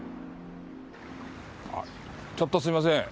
あちょっとすいません。